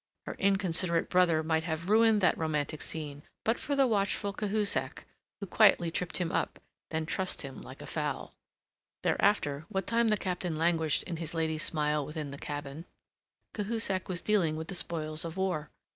Her inconsiderate brother might have ruined that romantic scene but for the watchful Cahusac, who quietly tripped him up, and then trussed him like a fowl. Thereafter, what time the Captain languished in his lady's smile within the cabin, Cahusac was dealing with the spoils of war.